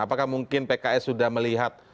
apakah mungkin pks sudah melihat